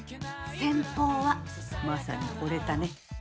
先方はマサにほれたね。